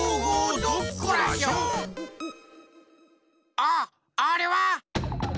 あっあれは！